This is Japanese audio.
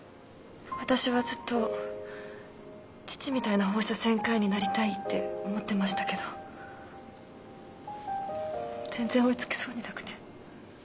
私はずっと父みたいな放射線科医になりたいって思ってましたけど全然追い付けそうになくて。